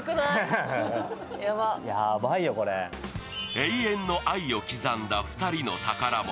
永遠の愛を刻んだ２人の宝物、